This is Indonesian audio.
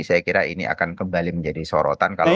saya kira ini akan kembali menjadi soal politik dinasti